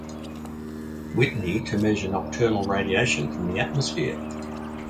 Whitney to measure nocturnal radiation from the atmosphere.